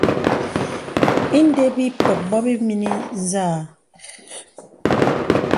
Indē bə̀ ǐ pə̀k bɔ bɔbini zâ.